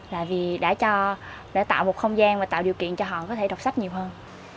là vì đã tạo một không gian và tạo điều kiện cho họ có thể đọc sách nhiều hơn